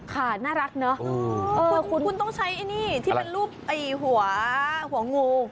ค่ะน่ารักเนอะคุณคุณต้องใช้ไอ้นี่ที่เป็นรูปหัวงู